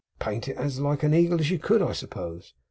'Paint it as like an Eagle as you could, I suppose.